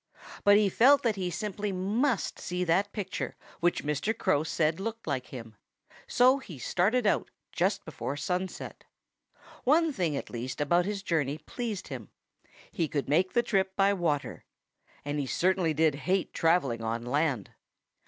But he felt that he simply must see that picture which Mr. Crow said looked like him. So he started out just before sunset. One thing, at least, about his journey pleased him: he could make the trip by water and he certainly did hate travelling on land.